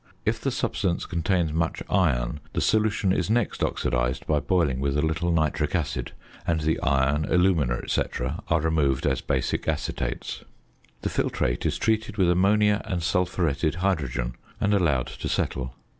If the substance contains much iron, the solution is next oxidised by boiling with a little nitric acid; and the iron, alumina, &c., are removed as basic acetates. The filtrate is treated with ammonia and sulphuretted hydrogen, and allowed to settle.